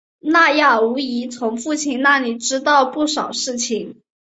挪亚无疑从父亲那里知道不少事情。